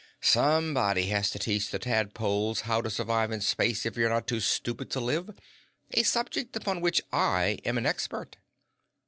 _Some_body has to teach the tadpoles How To Survive In Space If You're Not Too Stupid To Live a subject upon which I am an expert."